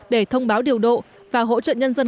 để thông báo điều độ và hỗ trợ nhân dân